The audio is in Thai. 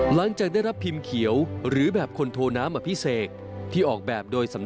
หลังจากได้รับพิมพ์เขียวหรือแบบคนโทน้ำอัพพิเศษ